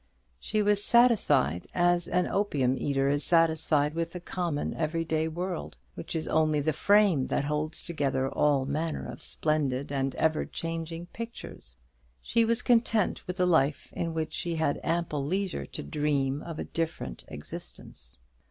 She was satisfied as an opium eater is satisfied with the common every day world; which is only the frame that holds together all manner of splendid and ever changing pictures. She was content with a life in which she had ample leisure to dream of a different existence.